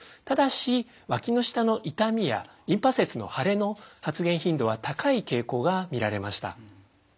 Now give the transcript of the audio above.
ただしわきの下の痛みやリンパ節の腫れの発現頻度は高い傾向が見られました。